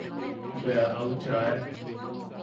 Bea au chae.